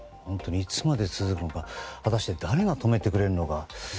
いつまで続くのか果たして誰が止めてくれるのか。